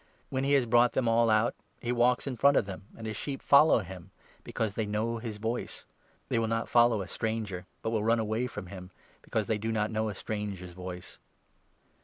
When he has brought them all out, he walks 4 in front of them, and his sheep follow him, because they know his voice. They will not follow a stranger, but will run away 5 from him ; because they do not know a stranger's voice."